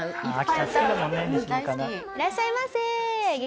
いらっしゃいませ激